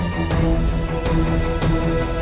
kak kemana ini kak